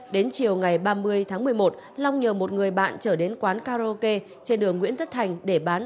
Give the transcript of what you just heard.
đến chiều ngày ba mươi tháng một mươi một long nhờ một người bạn trở đến quán karaoke trên đường nguyễn tất thành để bán